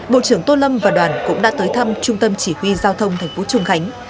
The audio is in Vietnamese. bộ trưởng tô lâm và đoàn cũng đã tới thăm trung tâm chỉ huy giao thông tp trung khánh